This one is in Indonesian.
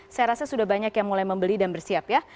saya rasa sudah banyak yang mulai membeli dan bersiap ya